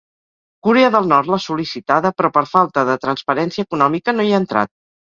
Corea del Nord l'ha sol·licitada, però per falta de transparència econòmica no hi ha entrat.